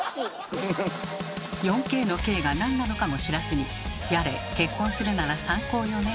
４Ｋの「Ｋ」がなんなのかも知らずにやれ「結婚するなら３高よね」